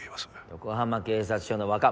横浜警察署のわか。